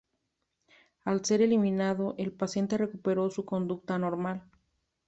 Al ser eliminado, el paciente recuperó su conducta normal.